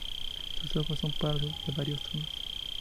Sus ojos son pardos de varios tonos.